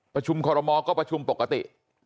ประชุมคอรมอลก็ประชุมปกติ